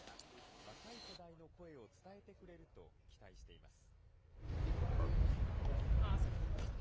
若い世代の声を伝えてくれると期待しています。